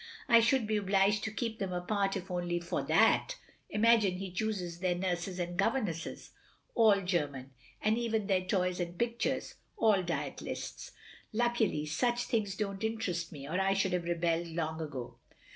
I should be obliged to keep them apart if only for that. Imagine, he chooses their nurses and governesses, — ^all German — ^and even their toys and pictures, and diet lists. Luckily such things don't interest me, or I should have rebelled long ago.